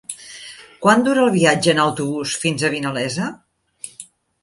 Quant dura el viatge en autobús fins a Vinalesa?